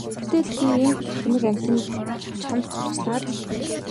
Гэтэл би гэж тэнэг амьтан чамд туслаад л!